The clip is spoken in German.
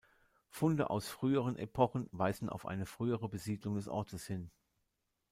Funde aus früheren Epochen weisen auf eine frühere Besiedlung des Ortes hin.